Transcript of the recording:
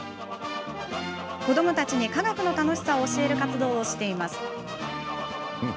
子どもたちに科学の楽しさを教える活動をしています。